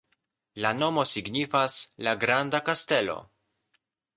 La nomo signifas: "la granda kastelo".